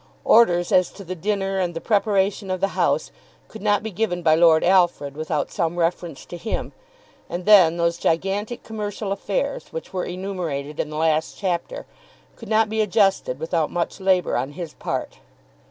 Orders as to the dinner and the preparation of the house could not be given by Lord Alfred without some reference to him. And then those gigantic commercial affairs which were enumerated in the last chapter could not be adjusted without much labour on his part.